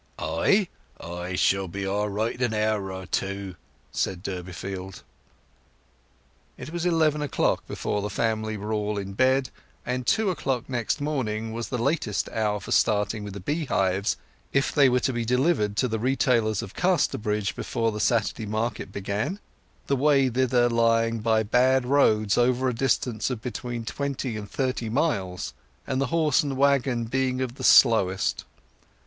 "I? I shall be all right in an hour or two," said Durbeyfield. It was eleven o'clock before the family were all in bed, and two o'clock next morning was the latest hour for starting with the beehives if they were to be delivered to the retailers in Casterbridge before the Saturday market began, the way thither lying by bad roads over a distance of between twenty and thirty miles, and the horse and waggon being of the slowest.